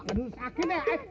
aduh sakit ya